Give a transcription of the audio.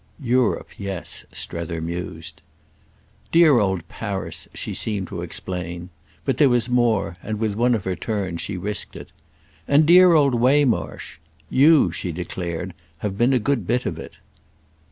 '" "Europe—yes," Strether mused. "Dear old Paris," she seemed to explain. But there was more, and, with one of her turns, she risked it. "And dear old Waymarsh. You," she declared, "have been a good bit of it."